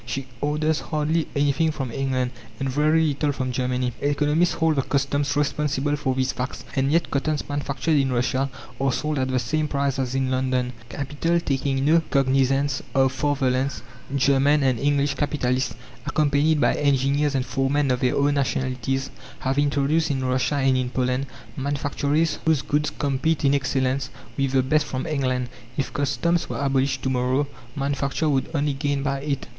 She orders hardly anything from England, and very little from Germany. Economists hold the customs responsible for these facts, and yet cottons manufactured in Russia are sold at the same price as in London. Capital taking no cognizance of father lands, German and English capitalists, accompanied by engineers and foremen of their own nationalities, have introduced in Russia and in Poland manufactories whose goods compete in excellence with the best from England. If customs were abolished to morrow, manufacture would only gain by it.